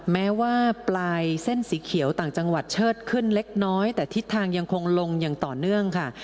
แม้ว่าปลายเส้นสีเขียวต่างจังหวัดเชิดขึ้นเล็กน้อยแต่ทิศทางยังคงลงอย่างต่อเนื่องค่ะ